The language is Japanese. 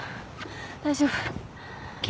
大丈夫。